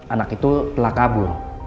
anak itu telah kabur